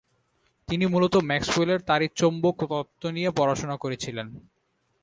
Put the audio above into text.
তিনি মূলত ম্যাক্সওয়েলের তাড়িতচৌম্বক তত্ত্ব নিয়ে পড়াশোনা করেছিলেন।